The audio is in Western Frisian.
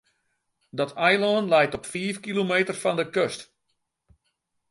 Dat eilân leit op fiif kilometer fan de kust.